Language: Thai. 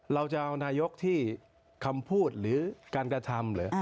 เราจะเอานายกที่คำพูดหรือการกระทำหรือ